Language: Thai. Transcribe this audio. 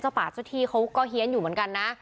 ป่าเจ้าที่เขาก็เฮียนอยู่เหมือนกันนะ